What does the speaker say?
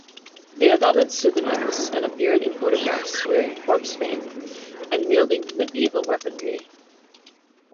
They adopted pseudonyms and appeared in photographs wearing "corpse paint" and wielding medieval weaponry.